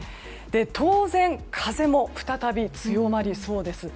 当然、風も再び強まりそうです。